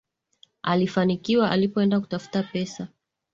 Alifanikiwa alipoenda kutafuta pesa